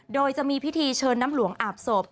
โดยจะมีพิธีเชิญน้ำหลวงอาบศพ